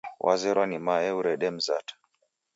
Wazerwa ni mae urede mzata.